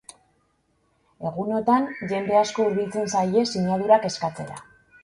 Egunotan, jende asko hurbiltzen zaie sinadurak eskatzera.